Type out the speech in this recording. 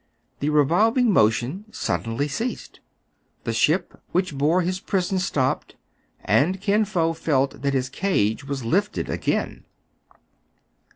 The revolving motion suddenly ceased. The ship which bore his prison stopped, and Kin Fo felt that his cage was lifted again.